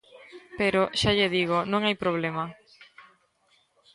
Pero, xa lle digo, non hai problema.